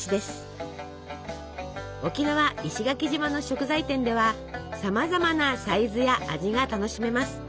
沖縄石垣島の食材店ではさまざまなサイズや味が楽しめます。